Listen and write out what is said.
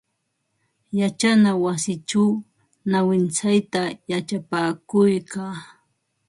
Yachana wasichaw nawintsayta yachapakuykaa.